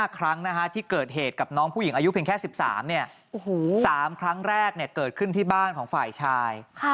๕ครั้งที่เกิดเหตุกับน้องผู้หญิงอายุเพียงแค่๑๓๓ครั้งแรกเกิดขึ้นที่บ้านของฝ่ายชาย